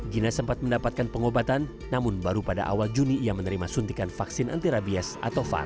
gina sempat mendapatkan pengobatan namun baru pada awal juni ia menerima suntikan vaksin anti rabies atau var